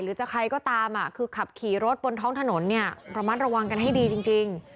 หรือจะใครก็ตามคือขับขี่รถบนท้องถนนเนี่ยระมัดระวังกันให้ดีจริง